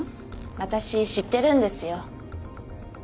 私知ってるんですよ。